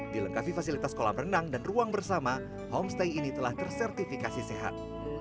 dilengkapi fasilitas kolam renang dan ruang bersama homestay ini telah tersertifikasi sehat